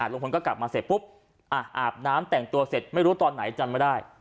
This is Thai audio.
ลุงพลก็กลับมาเสร็จปุ๊บอาบน้ำแต่งตัวเสร็จไม่รู้ตอนไหนจำไม่ได้